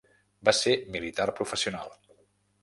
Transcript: Va ser militar professional.